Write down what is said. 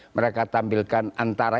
mereka tampilkan antara